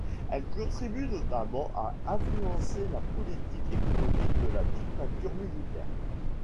Elle contribue notamment à influencer la politique économique de la dictature militaire.